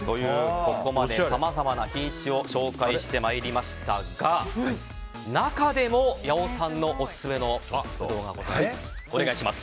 ここまで、さまざまな品種を紹介してまいりましたが中でも八尾さんのオススメのブドウがございます。